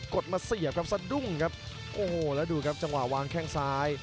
ดมาเสียบครับสะดุ้งครับโอ้โหแล้วดูครับจังหวะวางแข้งซ้าย